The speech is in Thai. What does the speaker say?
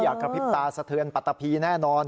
กระพริบตาสะเทือนปัตตะพีแน่นอน